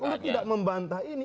kalau lo tidak membantah ini